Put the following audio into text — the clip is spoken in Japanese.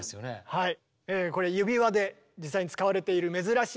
はい。